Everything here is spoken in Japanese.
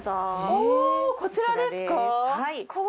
おこちらですか？